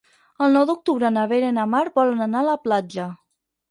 El nou d'octubre na Vera i na Mar volen anar a la platja.